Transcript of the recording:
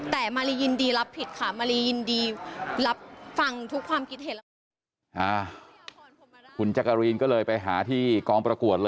แต่มารียินดีรับผิดค่ะมารียินดีรับฟังทุกความคิดเห็นแล้วก็